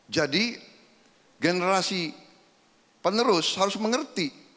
jadi generasi penerus harus mengerti